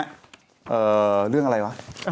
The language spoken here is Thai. เงี่ยเรื่องอะไรวะ